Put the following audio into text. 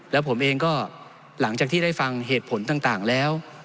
แล้วผมเองก็หลังจากที่ได้ฟังเหตุผลต่างแล้ว